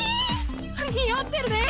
似合ってるねえ！